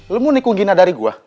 lu mau nikung gina dari gua